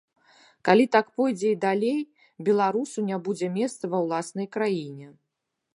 Калі так пойдзе і далей, беларусу не будзе месца ва ўласнай краіне.